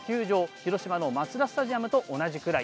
広島のマツダスタジアムと同じくらい。